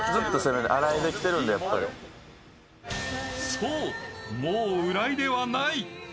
そう、もう浦井ではない。